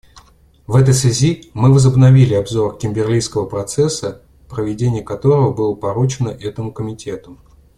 В этой связи мы возобновили обзор Кимберлийского процесса, проведение которого было поручено этому комитету.